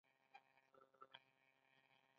آزاد تجارت مهم دی ځکه چې تبعیض مخنیوی کوي.